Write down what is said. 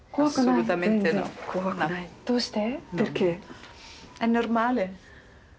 どうして？